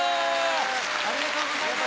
ありがとうございます。